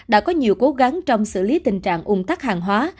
đã có nhiều cố gắng trong xử lý tình trạng ùng tắt hàng hóa